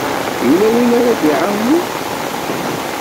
Yella win ara d-iɛawnen?